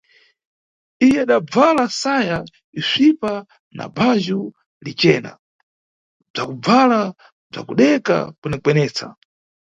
Iye adabvala saya isvipa na bajhu licena, bvakubvala bzakudeka kwenekwenesa.